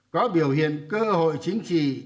có biểu hiện cơ hội chính trị